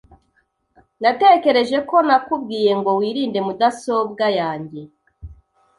Natekereje ko nakubwiye ngo wirinde mudasobwa yanjye .